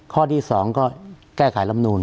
ข้อที่สองก็แก้กายลำนูน